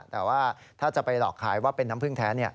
แต่ว่าถ้าจะไปหลอกขายว่าเป็นน้ำพึ่งแท้